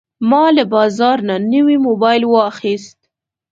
ما له بازار نه نوی موبایل واخیست.